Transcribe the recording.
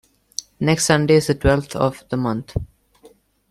Next Sunday is the twelfth of the month.